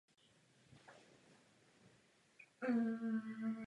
Dub blíž ke stodole je mohutnější a má bohatší korunu.